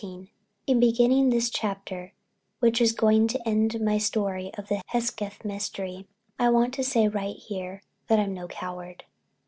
XVII In beginning this chapter, which is going to end my story of the Hesketh Mystery, I want to say right here that I'm no coward.